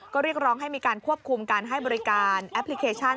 ก็เรียกร้องให้มีการควบคุมการให้บริการแอปพลิเคชัน